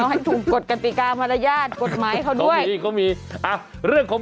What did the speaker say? ให้ถูกกฎกติกามารยาทกฎหมายเขาด้วยนี่ก็มีอ่ะเรื่องของ